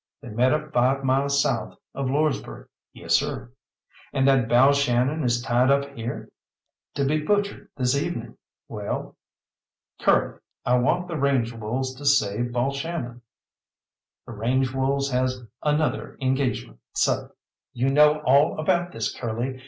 "They met up five mile south of Lordsburgh. Yessir." "And that Balshannon is tied up here?" "To be butchered this evening. Well?" "Curly, I want the range wolves to save Balshannon." "The range wolves has another engagement, seh." "You know all about this, Curly!